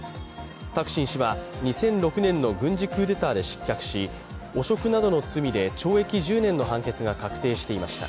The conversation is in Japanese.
タクシン氏は、２００６年の軍事クーデターで失脚し汚職などの罪で懲役１０年の判決が確定していました。